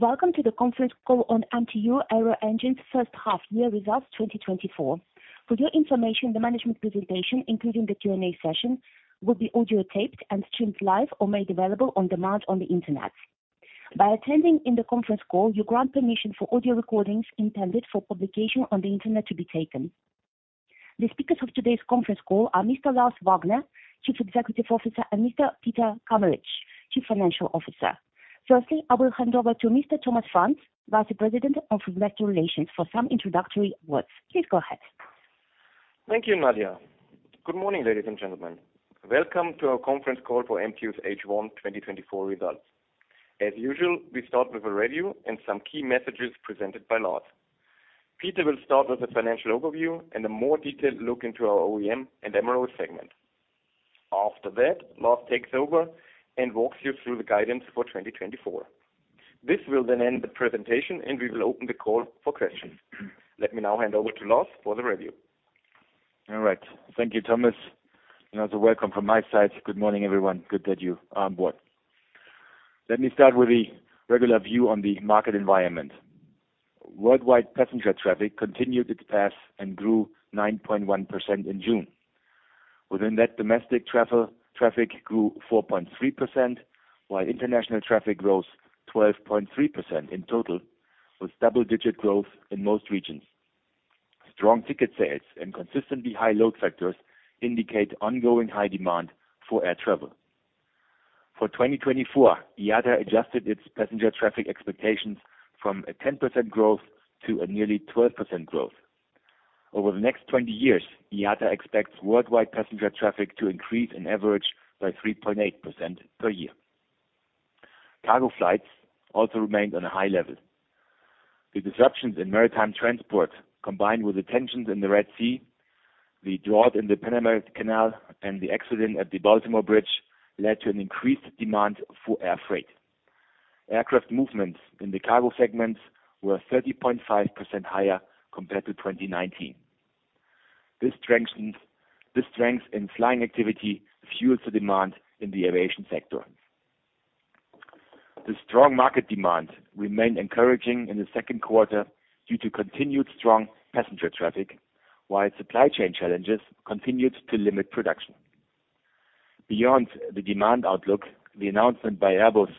Welcome to the conference call on MTU Aero Engines first half-year results 2024. For your information, the management presentation, including the Q&A session, will be audio-taped and streamed live or made available on demand on the Internet. By attending in the conference call, you grant permission for audio recordings intended for publication on the Internet to be taken. The speakers of today's conference call are Mr. Lars Wagner, Chief Executive Officer, and Mr. Peter Kameritsch, Chief Financial Officer. Firstly, I will hand over to Mr. Thomas Franz, Vice President of Investor Relations for some introductory words. Please go ahead. Thank you, Nadia. Good morning, ladies and gentlemen. Welcome to our conference call for MTU's H1 2024 results. As usual, we start with a review and some key messages presented by Lars. Peter will start with a financial overview and a more detailed look into our OEM and MRO segment. After that, Lars takes over and walks you through the guidance for 2024. This will then end the presentation, and we will open the call for questions. Let me now hand over to Lars for the review. All right. Thank you, Thomas. Also welcome from my side. Good morning, everyone. Good that you are on board. Let me start with the regular view on the market environment. Worldwide passenger traffic continued its path and grew 9.1% in June. Within that, domestic traffic grew 4.3%, while international traffic rose 12.3% in total, with double-digit growth in most regions. Strong ticket sales and consistently high load factors indicate ongoing high demand for air travel. For 2024, IATA adjusted its passenger traffic expectations from a 10% growth to a nearly 12% growth. Over the next 20 years, IATA expects worldwide passenger traffic to increase on average by 3.8% per year. Cargo flights also remained on a high level. The disruptions in maritime transport, combined with the tensions in the Red Sea, the droughts in the Panama Canal, and the accident at the Baltimore Bridge, led to an increased demand for air freight. Aircraft movements in the cargo segments were 30.5% higher compared to 2019. This strength in flying activity fuels the demand in the aviation sector. The strong market demand remained encouraging in the second quarter due to continued strong passenger traffic, while supply chain challenges continued to limit production. Beyond the demand outlook, the announcement by Airbus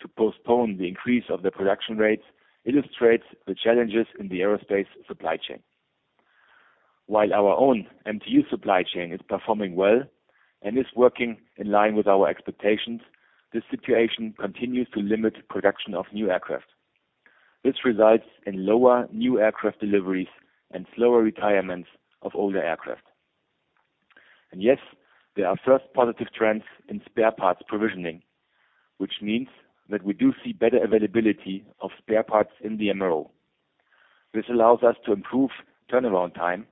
to postpone the increase of the production rates illustrates the challenges in the aerospace supply chain. While our own MTU supply chain is performing well and is working in line with our expectations, this situation continues to limit production of new aircraft. This results in lower new aircraft deliveries and slower retirements of older aircraft. Yes, there are first positive trends in spare parts provisioning, which means that we do see better availability of spare parts in the MRO. This allows us to improve turnaround time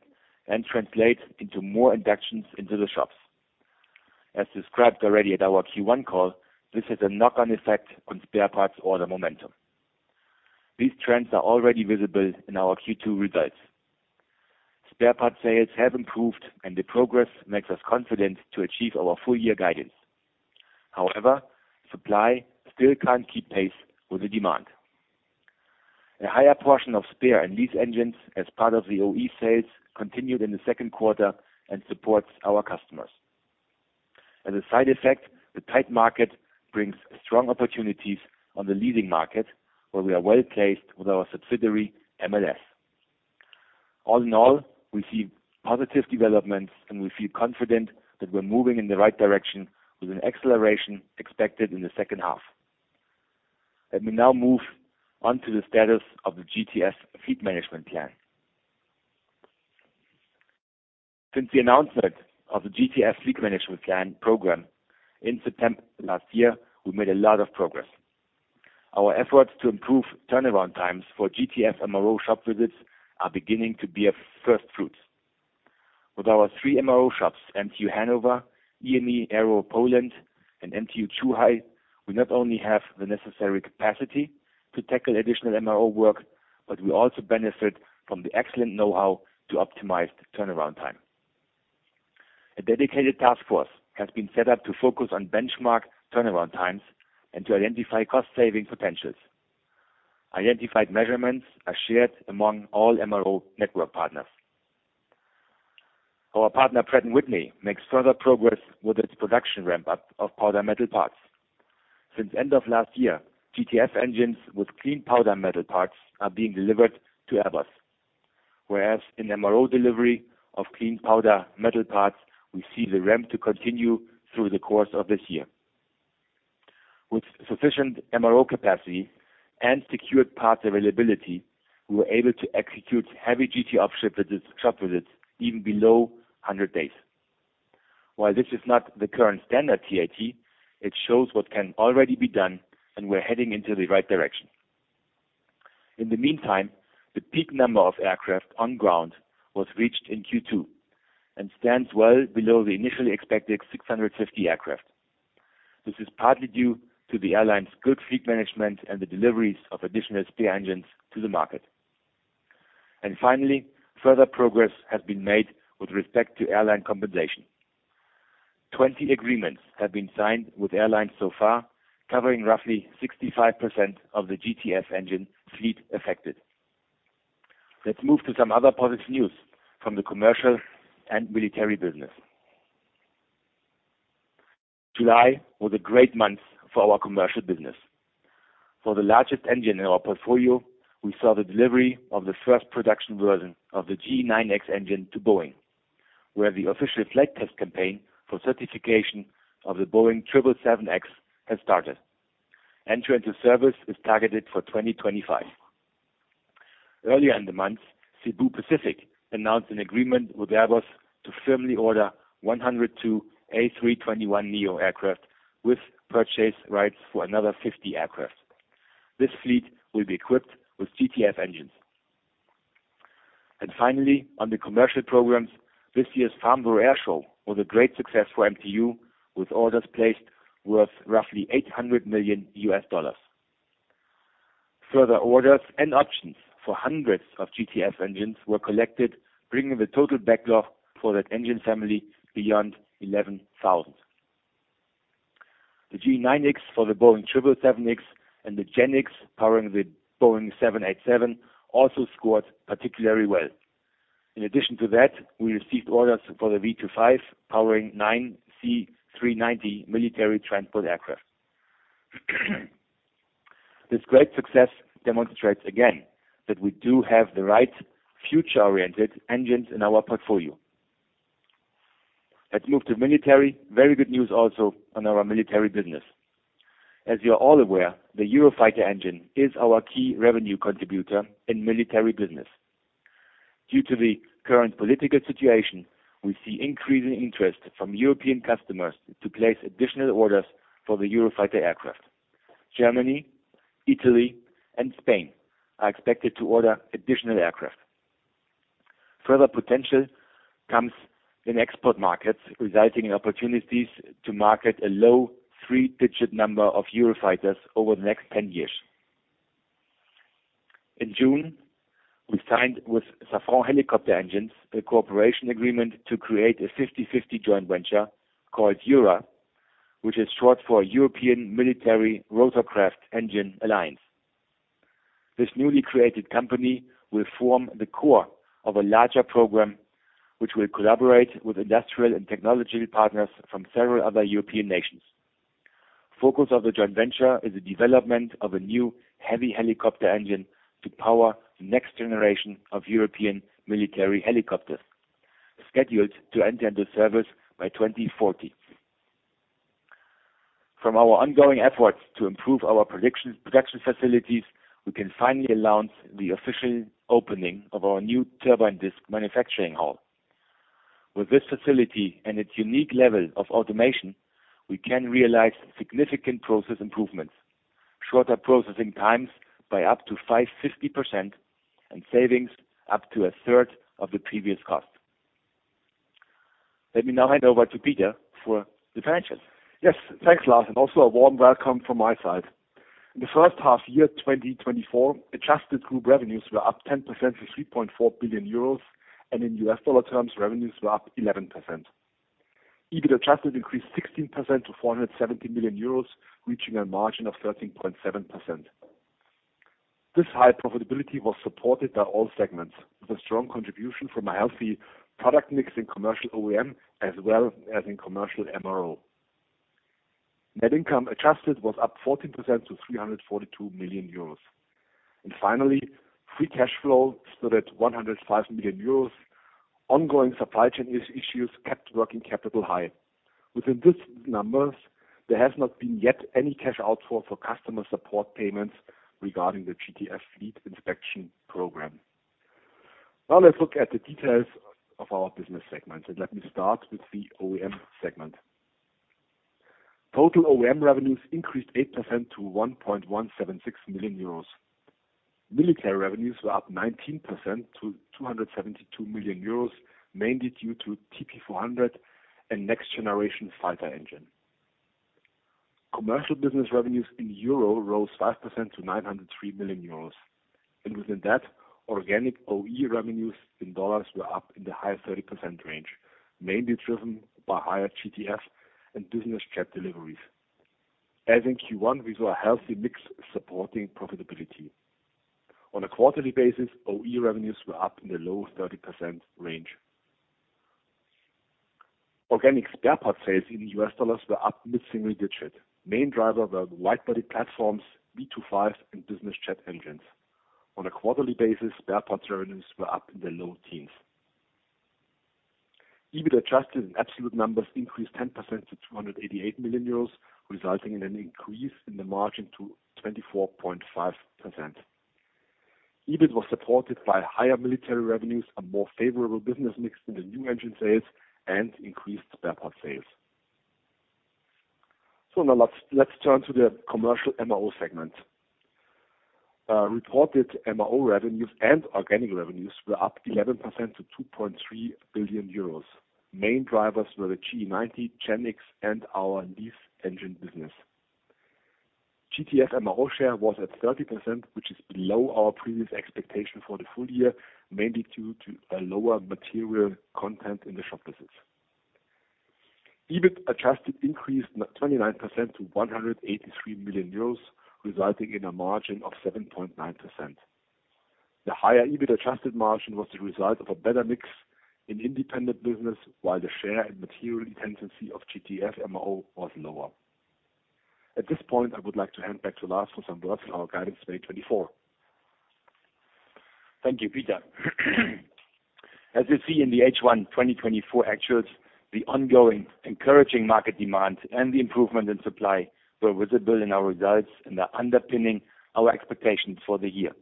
and translate into more inductions into the shops. As described already at our Q1 call, this has a knock-on effect on spare parts order momentum. These trends are already visible in our Q2 results. Spare parts sales have improved, and the progress makes us confident to achieve our full-year guidance. However, supply still can't keep pace with the demand. A higher portion of spare and lease engines as part of the OE sales continued in the second quarter and supports our customers. As a side effect, the tight market brings strong opportunities on the leasing market, where we are well placed with our subsidiary MLS. All in all, we see positive developments, and we feel confident that we're moving in the right direction with an acceleration expected in the second half. Let me now move on to the status of the GTF Fleet Management Plan. Since the announcement of the GTF Fleet Management Plan program in September last year, we made a lot of progress. Our efforts to improve turnaround times for GTF MRO shop visits are beginning to bear first fruits. With our three MRO shops, MTU Hannover, EME Aero Poland, and MTU Zhuhai, we not only have the necessary capacity to tackle additional MRO work, but we also benefit from the excellent know-how to optimize turnaround time. A dedicated task force has been set up to focus on benchmark turnaround times and to identify cost-saving potentials. Identified measurements are shared among all MRO network partners. Our partner Pratt & Whitney makes further progress with its production ramp-up of powder metal parts. Since the end of last year, GTF engines with clean powder metal parts are being delivered to Airbus, whereas in MRO delivery of clean powder metal parts, we see the ramp to continue through the course of this year. With sufficient MRO capacity and secured parts availability, we were able to execute heavy GTF shop visits even below 100 days. While this is not the current standard TAT, it shows what can already be done, and we're heading into the right direction. In the meantime, the peak number of aircraft on ground was reached in Q2 and stands well below the initially expected 650 aircraft. This is partly due to the airline's good fleet management and the deliveries of additional spare engines to the market. And finally, further progress has been made with respect to airline compensation. 20 agreements have been signed with airlines so far, covering roughly 65% of the GTF engine fleet affected. Let's move to some other positive news from the commercial and military business. July was a great month for our commercial business. For the largest engine in our portfolio, we saw the delivery of the first production version of the GE9X engine to Boeing, where the official flight test campaign for certification of the Boeing 777X has started. Entry into service is targeted for 2025. Earlier in the month, Cebu Pacific announced an agreement with Airbus to firmly order 102 A321neo aircraft with purchase rights for another 50 aircraft. This fleet will be equipped with GTF engines. Finally, on the commercial programs, this year's Farnborough Airshow was a great success for MTU, with orders placed worth roughly $800 million. Further orders and options for hundreds of GTF engines were collected, bringing the total backlog for that engine family beyond 11,000. The GE9X for the Boeing 777X and the GEnx powering the Boeing 787 also scored particularly well. In addition to that, we received orders for the V2500 powering C-390 military transport aircraft. This great success demonstrates again that we do have the right future-oriented engines in our portfolio. Let's move to military. Very good news also on our military business. As you're all aware, the Eurofighter engine is our key revenue contributor in military business. Due to the current political situation, we see increasing interest from European customers to place additional orders for the Eurofighter aircraft. Germany, Italy, and Spain are expected to order additional aircraft. Further potential comes in export markets, resulting in opportunities to market a low three-digit number of Eurofighters over the next 10 years. In June, we signed with Safran Helicopter Engines a cooperation agreement to create a 50/50 joint venture called EURA, which is short for European Military Rotorcraft Engine Alliance. This newly created company will form the core of a larger program, which will collaborate with industrial and technological partners from several other European nations. The focus of the joint venture is the development of a new heavy helicopter engine to power the next generation of European military helicopters, scheduled to enter into service by 2040. From our ongoing efforts to improve our production facilities, we can finally announce the official opening of our new turbine disc manufacturing hall. With this facility and its unique level of automation, we can realize significant process improvements, shorter processing times by up to 50%, and savings up to a third of the previous cost. Let me now hand over to Peter for the financials. Yes, thanks, Lars, and also a warm welcome from my side. In the first half year 2024, adjusted group revenues were up 10% to 3.4 billion euros, and in U.S. dollar terms, revenues were up 11%. EBIT adjusted increased 16% to 470 million euros, reaching a margin of 13.7%. This high profitability was supported by all segments, with a strong contribution from a healthy product mix in commercial OEM as well as in commercial MRO. Net income adjusted was up 14% to 342 million euros. And finally, free cash flow stood at 105 million euros. Ongoing supply chain issues kept working capital high. Within these numbers, there has not been yet any cash outflow for customer support payments regarding the GTF fleet inspection program. Now let's look at the details of our business segments, and let me start with the OEM segment. Total OEM revenues increased 8% to 1,176 million euros. Military revenues were up 19% to 272 million euros, mainly due to TP400 and Next-Generation Fighter Engine. Commercial business revenues in euros rose 5% to 903 million euros. And within that, organic OE revenues in dollars were up in the high 30% range, mainly driven by higher GTF and business jet deliveries. As in Q1, we saw a healthy mix supporting profitability. On a quarterly basis, OE revenues were up in the low 30% range. Organic spare parts sales in U.S. dollars were up mid-single digit. Main driver were the widebody platforms, V25, and business jet engines. On a quarterly basis, spare parts revenues were up in the low teens. EBIT adjusted in absolute numbers increased 10% to 288 million euros, resulting in an increase in the margin to 24.5%. EBIT was supported by higher military revenues, a more favorable business mix in the new engine sales, and increased spare part sales. So now let's turn to the commercial MRO segment. Reported MRO revenues and organic revenues were up 11% to 2.3 billion euros. Main drivers were the GE90, GEnx, and our lease engine business. GTF MRO share was at 30%, which is below our previous expectation for the full year, mainly due to a lower material content in the shop visits. EBIT adjusted increased 29% to 183 million euros, resulting in a margin of 7.9%. The higher EBIT adjusted margin was the result of a better mix in independent business, while the share and material intensity of GTF MRO was lower. At this point, I would like to hand back to Lars for some words on our guidance for 2024. Thank you, Peter. As you see in the H1 2024 actual, the ongoing encouraging market demand and the improvement in supply were visible in our results and are underpinning our expectations for the year.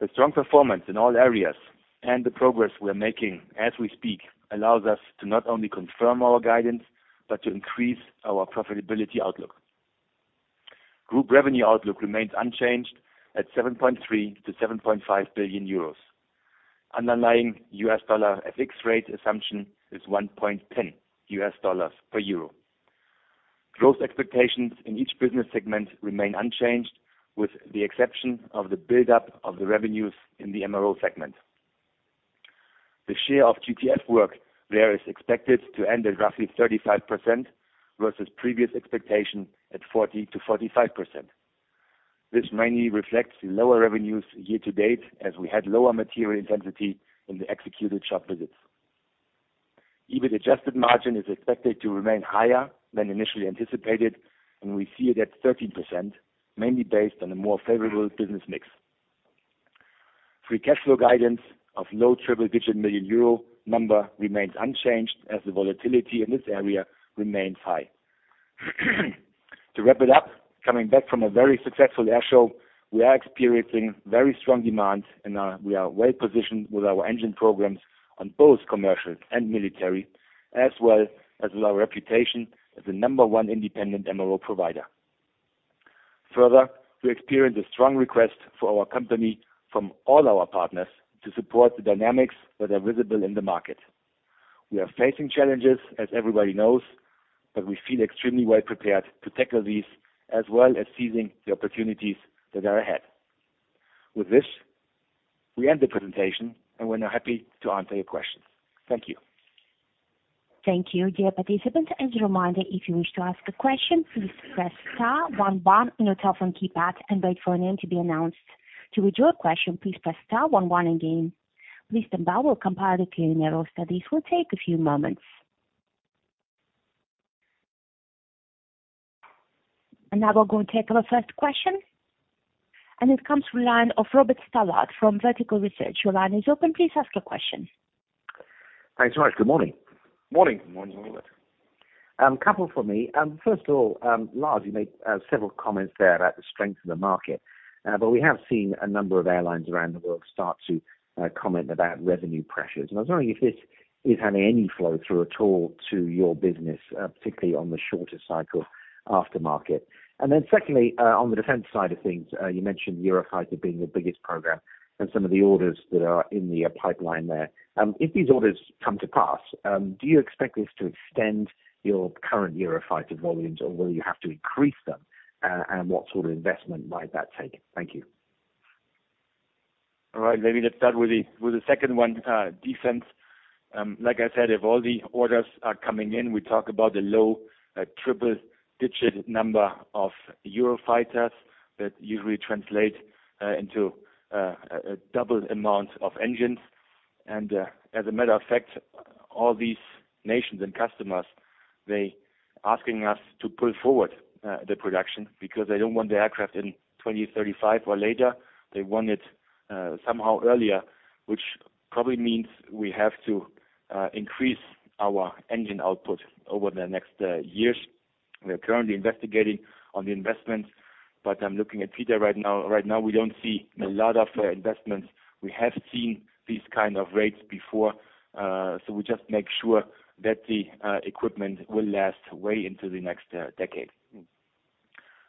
The strong performance in all areas and the progress we are making as we speak allows us to not only confirm our guidance but to increase our profitability outlook. Group revenue outlook remains unchanged at 7.3 billion-7.5 billion euros. Underlying US dollar FX rate assumption is $1.10 per euro. Growth expectations in each business segment remain unchanged, with the exception of the build-up of the revenues in the MRO segment. The share of GTF work there is expected to end at roughly 35% versus previous expectation at 40%-45%. This mainly reflects the lower revenues year to date as we had lower material intensity in the executed shop visits. EBIT adjusted margin is expected to remain higher than initially anticipated, and we see it at 13%, mainly based on a more favorable business mix. Free cash flow guidance of low triple-digit million EUR number remains unchanged as the volatility in this area remains high. To wrap it up, coming back from a very successful airshow, we are experiencing very strong demand, and we are well positioned with our engine programs on both commercial and military, as well as with our reputation as the number one independent MRO provider. Further, we experience a strong request for our company from all our partners to support the dynamics that are visible in the market. We are facing challenges, as everybody knows, but we feel extremely well prepared to tackle these as well as seizing the opportunities that are ahead. With this, we end the presentation, and we're now happy to answer your questions. Thank you. Thank you. Dear participants, as a reminder, if you wish to ask a question, please press star one one on your telephone keypad and wait for a name to be announced. To withdraw a question, please press star one one again. Mr. Bauer will compile the Q&A roll, so this will take a few moments. Now we're going to take our first question. It comes from the line of Robert Stallard from Vertical Research. Your line is open. Please ask your question. Thanks so much. Good morning. Good morning. Good morning, Robert. A couple for me. First of all, Lars, you made several comments there about the strength of the market, but we have seen a number of airlines around the world start to comment about revenue pressures. I was wondering if this is having any flow through at all to your business, particularly on the shorter cycle aftermarket. Secondly, on the defense side of things, you mentioned Eurofighter being the biggest program and some of the orders that are in the pipeline there. If these orders come to pass, do you expect this to extend your current Eurofighter volumes, or will you have to increase them? What sort of investment might that take? Thank you. All right. Let me start with the second one, defense. Like I said, if all the orders are coming in, we talk about the low triple-digit number of Eurofighters that usually translate into a double amount of engines. And as a matter of fact, all these nations and customers, they are asking us to pull forward the production because they don't want the aircraft in 2035 or later. They want it somehow earlier, which probably means we have to increase our engine output over the next years. We're currently investigating on the investments, but I'm looking at Peter right now. Right now, we don't see a lot of investments. We have seen these kinds of rates before, so we just make sure that the equipment will last way into the next decade.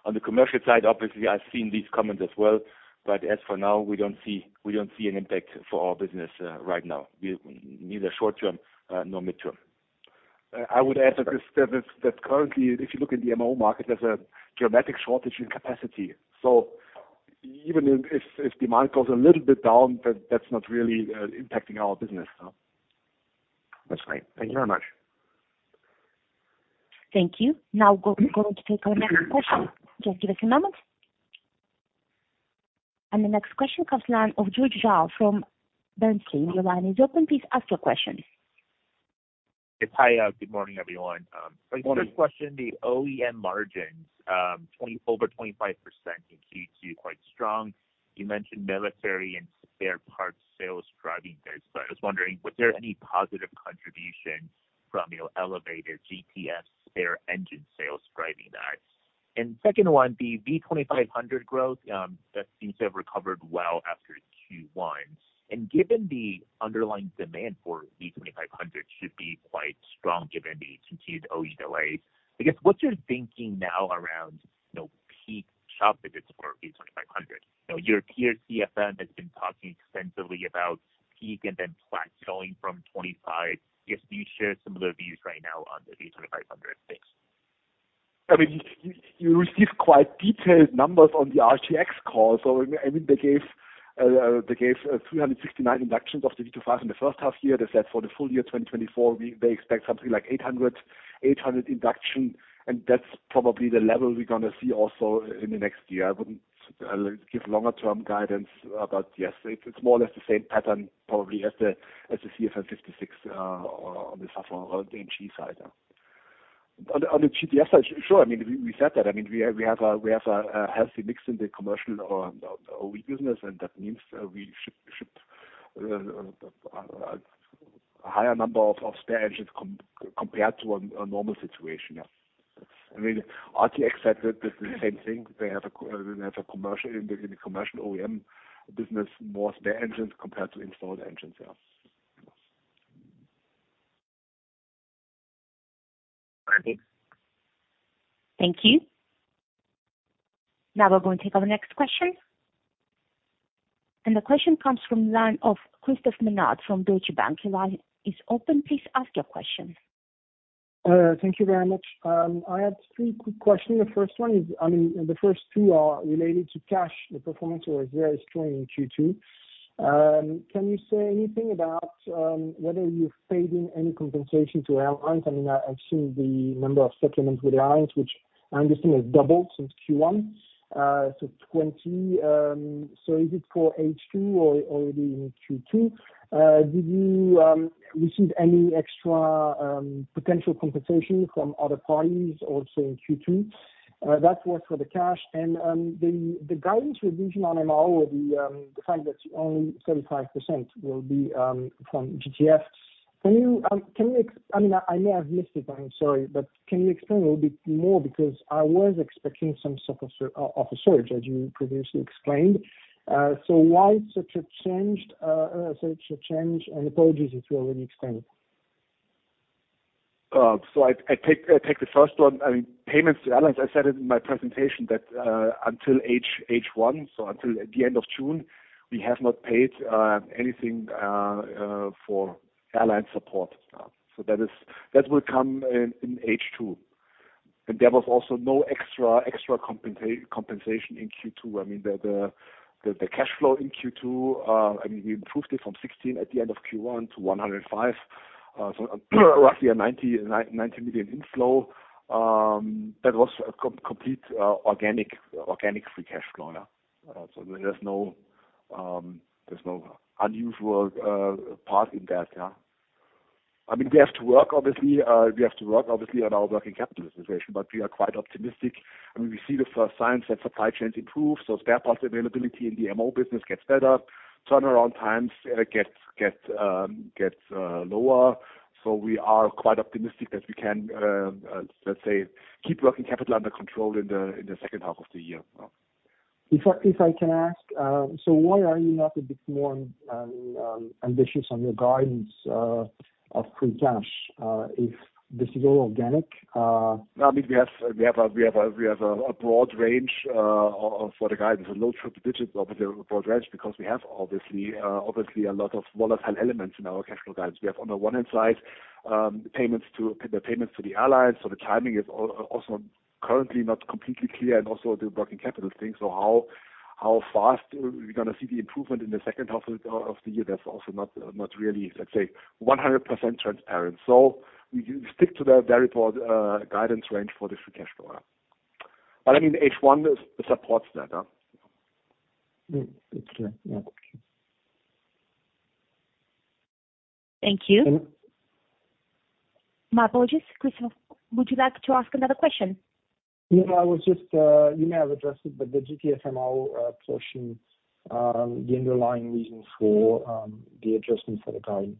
On the commercial side, obviously, I've seen these comments as well, but as for now, we don't see an impact for our business right now, neither short-term nor mid-term. I would add that currently, if you look in the MRO market, there's a dramatic shortage in capacity. Even if demand goes a little bit down, that's not really impacting our business. That's great. Thank you very much. Thank you. Now we're going to take our next question. Just give us a moment. The next question comes from the line of George Zhao from Bernstein. Your line is open. Please ask your question. Hey, Peter. Good morning, everyone. Morning. First question, the OEM margins, over 25%, you seem to be quite strong. You mentioned military and spare parts sales driving this, but I was wondering, was there any positive contribution from elevated GTF spare engine sales driving that? And second one, the V2500 growth, that seems to have recovered well after Q1. And given the underlying demand for V2500 should be quite strong given the continued OE delays, I guess, what's your thinking now around peak shop visits for V2500? Your peer CFM has been talking extensively about peak and then plateauing from 2025. I guess, do you share some of the views right now on the V2500? Thanks. I mean, you received quite detailed numbers on the RTX call. So I mean, they gave 369 inductions of the V2500 in the first half year. They said for the full year 2024, they expect something like 800 inductions, and that's probably the level we're going to see also in the next year. I wouldn't give longer-term guidance, but yes, it's more or less the same pattern probably as the CFM56 on the Safran or the GE side. On the GTF side, sure. I mean, we said that. I mean, we have a healthy mix in the commercial OEM business, and that means we should have a higher number of spare engines compared to a normal situation. I mean, RTX said the same thing. They have a commercial OEM business, more spare engines compared to installed engines. Thank you. Thank you. Now we're going to take our next question. And the question comes from the line of Christophe Menard from Deutsche Bank. Your line is open. Please ask your question. Thank you very much. I had three quick questions. The first one is, I mean, the first two are related to cash. The performance was very strong in Q2. Can you say anything about whether you're fading any compensation to airlines? I mean, I've seen the number of supplements with airlines, which I understand has doubled since Q1, so 20. So is it for H2 or already in Q2? Did you receive any extra potential compensation from other parties also in Q2? That was for the cash. And the guidance revision on MRO, the fact that only 35% will be from GTF, can you—I mean, I may have missed it. I'm sorry, but can you explain a little bit more? Because I was expecting some sort of a surge, as you previously explained. So why such a change? And apologies if you already explained. So I take the first one. I mean, payments to airlines, I said in my presentation that until H1, so until the end of June, we have not paid anything for airline support. So that will come in H2. And there was also no extra compensation in Q2. I mean, the cash flow in Q2, I mean, we improved it from 16 million at the end of Q1 to 105 million, so roughly a 90 million inflow. That was complete organic free cash flow. So there's no unusual part in that. I mean, we have to work, obviously. We have to work, obviously, on our working capital situation, but we are quite optimistic. I mean, we see the first signs that supply chains improve, so spare parts availability in the MRO business gets better. Turnaround times get lower. We are quite optimistic that we can, let's say, keep working capital under control in the second half of the year. If I can ask, so why are you not a bit more ambitious on your guidance of free cash if this is all organic? I mean, we have a broad range for the guidance. A low triple-digit, obviously, a broad range because we have obviously a lot of volatile elements in our cash flow guidance. We have, on the one hand side, the payments to the airlines. So the timing is also currently not completely clear, and also the working capital thing. So how fast we're going to see the improvement in the second half of the year, that's also not really, let's say, 100% transparent. So we stick to that very broad guidance range for the free cash flow. But I mean, H1 supports that. Thank you. My apologies, Christophe. Would you like to ask another question? Yeah. You may have addressed it, but the GTF MRO portion, the underlying reason for the adjustment for the guidance?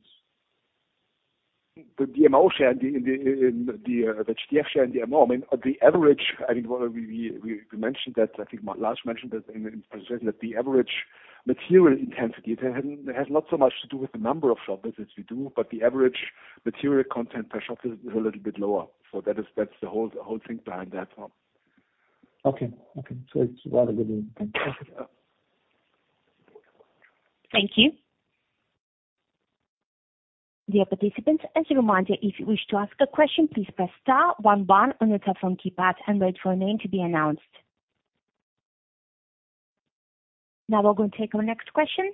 The MRO share in the GTF share in the MRO, I mean, the average—I mean, we mentioned that. I think Lars mentioned that in the presentation that the average material intensity, it has not so much to do with the number of shop visits we do, but the average material content per shop visit is a little bit lower. So that's the whole thing behind that. Okay. Okay. So it's rather good. Thank you. Thank you. Dear participants, as a reminder, if you wish to ask a question, please press star 11 on your telephone keypad and wait for a name to be announced. Now we're going to take our next question.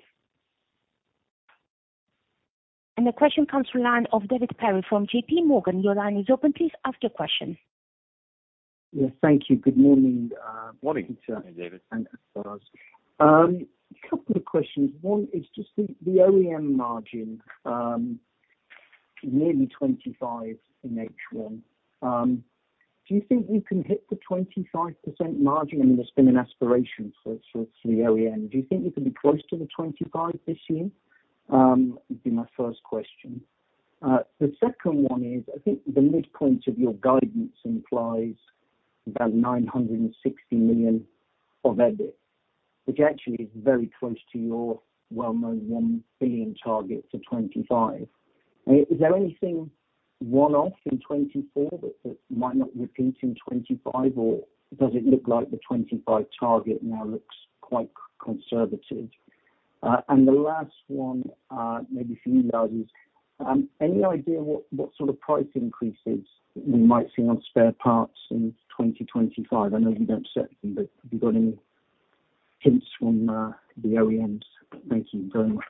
The question comes from the line of David Perry from J.P. Morgan. Your line is open. Please ask your question. Yes. Thank you. Good morning. Morning. Good morning, David. Thanks, Lars. Couple of questions. One is just the OEM margin, nearly 25% in H1. Do you think you can hit the 25% margin? I mean, there's been an aspiration for the OEM. Do you think you can be close to the 25% this year? It would be my first question. The second one is, I think the midpoint of your guidance implies about 960 million of EBIT, which actually is very close to your well-known 1 billion target for 2025. Is there anything one-off in 2024 that might not repeat in 2025, or does it look like the 2025 target now looks quite conservative? And the last one, maybe for you, Lars, is any idea what sort of price increases we might see on spare parts in 2025? I know you don't set them, but have you got any hints from the OEMs? Thank you very much.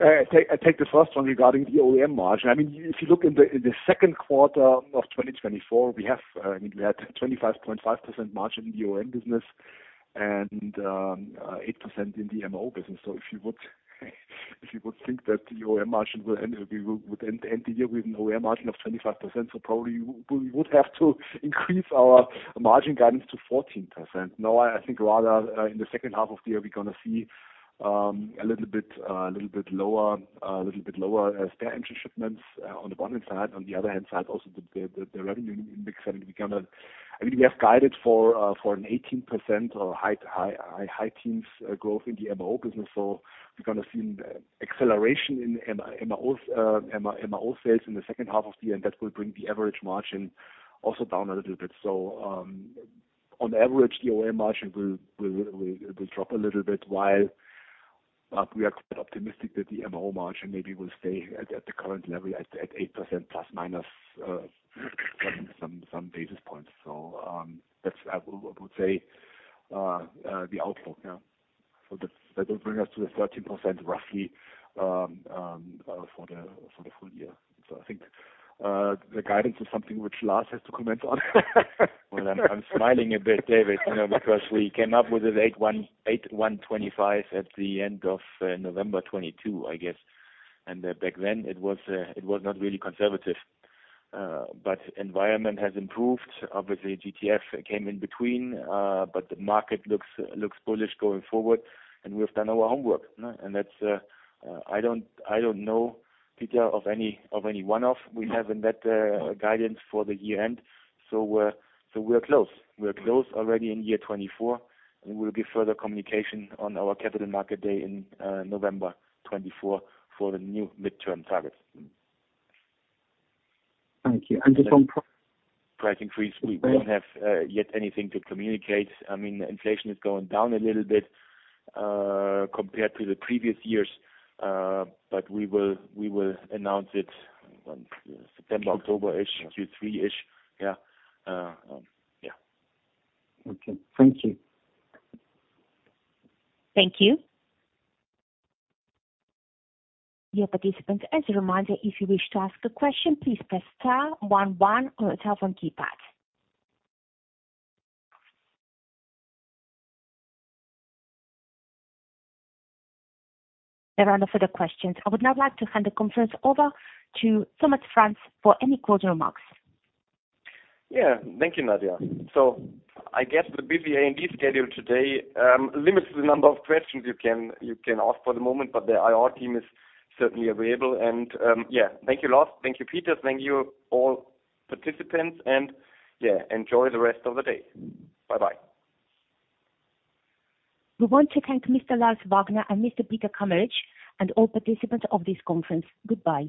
I take the first one regarding the OEM margin. I mean, if you look in the second quarter of 2024, we have, I mean, we had 25.5% margin in the OEM business and 8% in the MRO business. So if you would think that the OEM margin would end the year with an OEM margin of 25%, so probably we would have to increase our margin guidance to 14%. No, I think rather in the second half of the year, we're going to see a little bit lower spare engine shipments on the one hand side. On the other hand side, also the revenue mix. I mean, we have guided for an 18% or high teens growth in the MRO business. So we're going to see an acceleration in MRO sales in the second half of the year, and that will bring the average margin also down a little bit. So on average, the OEM margin will drop a little bit, while we are quite optimistic that the MRO margin maybe will stay at the current level at 8% plus minus some basis points. So that's, I would say, the outlook. So that will bring us to the 13% roughly for the full year. So I think the guidance is something which Lars has to comment on. Well, I'm smiling a bit, David, because we came up with the 8-1-25 at the end of November 2022, I guess. And back then, it was not really conservative. But the environment has improved. Obviously, GTF came in between, but the market looks bullish going forward, and we've done our homework. And I don't know, Peter, of any one-off. We have in that guidance for the year end. So we're close. We're close already in year 2024, and we'll give further communication on our Capital Market Day in November 2024 for the new midterm targets. Thank you. And just on. Price increase. We don't have yet anything to communicate. I mean, inflation is going down a little bit compared to the previous years, but we will announce it September, October, Q3. Yeah. Yeah. Okay. Thank you. Thank you. Dear participants, as a reminder, if you wish to ask a question, please press star 11 on your telephone keypad. There are no further questions. I would now like to hand the conference over to Thomas Franz for any closing remarks. Yeah. Thank you, Nadia. So I guess the busy A&D schedule today limits the number of questions you can ask for the moment, but the IR team is certainly available. And yeah, thank you, Lars. Thank you, Peter. Thank you, all participants. And yeah, enjoy the rest of the day. Bye-bye. We want to thank Mr. Lars Wagner and Mr. Peter Kameritsch and all participants of this conference. Goodbye.